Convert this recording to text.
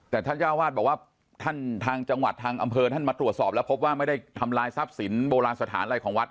แต่ท่านเจ้าวาดบอกว่าท่านทางจังหวัดทางอำเภอท่านมาตรวจสอบแล้วพบว่าไม่ได้ทำลายทรัพย์สินโบราณสถานอะไรของวัด